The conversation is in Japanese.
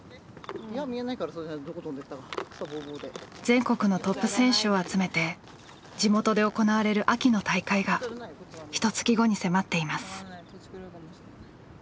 全国のトップ選手を集めて地元で行われる秋の大会がひとつき後に迫っています。